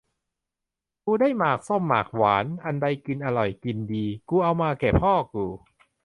กูได้หมากส้มหมากหวาน อันใดกินอร่อยกินดี กูเอามาแก่พ่อกู